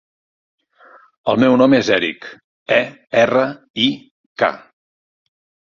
El meu nom és Erik: e, erra, i, ca.